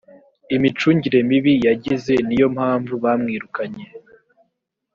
imicungire mibi yagize niyo mpamvu bamwirukanye